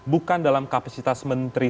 bukan dalam kapasitas menteri